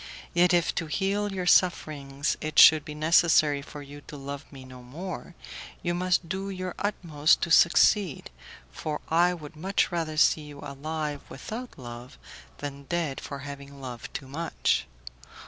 Yet if to heal your sufferings it should be necessary for you to love me no more, you must do your utmost to succeed, for I would much rather see you alive without love, than dead for having loved too much.